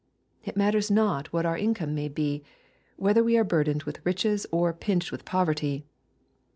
It matters not what our in come may be, whether we are burdened with riches or pinched with poverty.